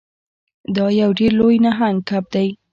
دا یو ډیر لوی نهنګ کب دی.